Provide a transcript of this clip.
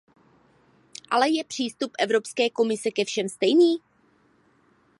Ale je přístup Evropské komise ke všem stejný?